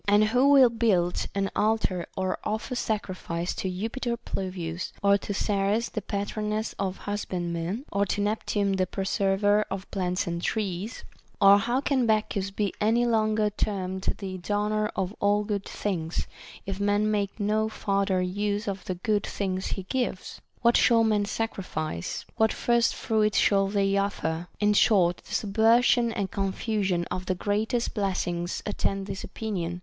And who will build an altar or offer sacrifice to Jupiter Pluvius, or to Ceres the patroness of husbandmen, or to Neptune the preserver of plants and trees % Or how can THE BANQUET OF THE SEVEN WISE MEN. 29 Bacchus be any longer termed the donor of all good tilings, if men make no further use of the good things he gives ? What shall men sacrifice ? What first fruits shall they offer ? In short, the subversion and confusion of the greatest blessings attend this opinion.